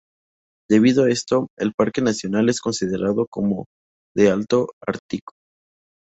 Debido a esto, el Parque nacional es considerado como de "alto ártico".